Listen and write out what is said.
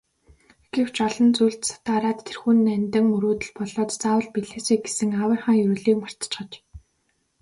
Гэвч олон зүйлд сатаараад тэрхүү нандин мөрөөдөл болоод заавал биелээсэй гэсэн аавынхаа ерөөлийг мартчихаж.